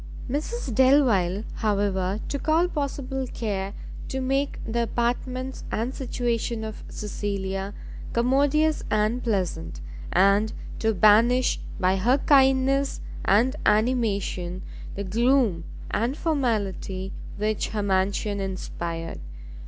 Mrs Delvile, however, took all possible care to make the apartments and situation of Cecilia commodious and pleasant, and to banish by her kindness and animation the gloom and formality which her mansion inspired.